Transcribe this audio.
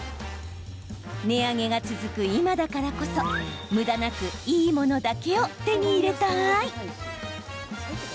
値上げが続く今だからこそむだなくいいものだけを手に入れたい。